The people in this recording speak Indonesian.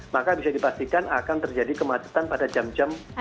maka bisa dipastikan akan terjadi kemacetan pada jam jam